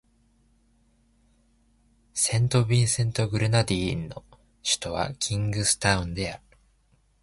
セントビンセント・グレナディーンの首都はキングスタウンである